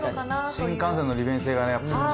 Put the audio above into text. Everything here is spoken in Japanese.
新幹線の利便性が一番。